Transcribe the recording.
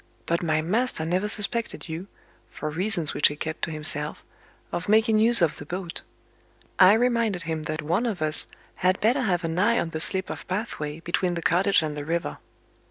But my master never suspected you (for reasons which he kept to himself) of making use of the boat. I reminded him that one of us had better have an eye on the slip of pathway, between the cottage and the river.